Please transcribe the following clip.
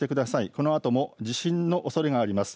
このあとも地震のおそれがあります。